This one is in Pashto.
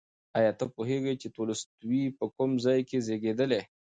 ایا ته پوهېږې چې تولستوی په کوم ځای کې زېږېدلی؟